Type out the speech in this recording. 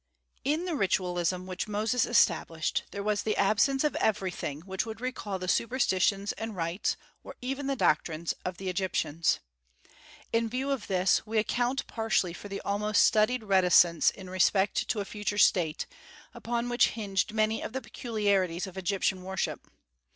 In the ritualism which Moses established there was the absence of everything which would recall the superstitions and rites, or even the doctrines, of the Egyptians. In view of this, we account partially for the almost studied reticence in respect to a future state, upon which hinged many of the peculiarities of Egyptian worship.